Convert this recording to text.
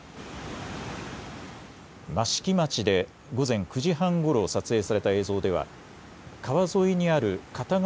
益城町で午前９時半ごろ撮影された映像では川沿いにある片側